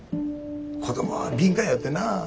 子供は敏感やよってな。